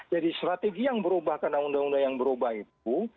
jadi strategi yang berubah karena undang undang yang berubah itu